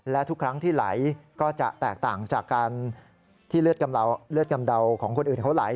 และทุกครั้งที่ไหลก็จะแตกต่างจากการที่เลือดกำเดาของคนอื่นเขาไหล